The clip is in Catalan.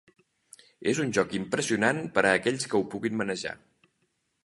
És un joc impressionant per a aquells que ho puguin manejar.